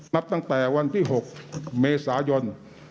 นับตั้งแต่วันที่๖เมษายน